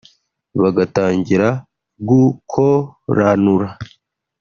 bagatangira gukoranura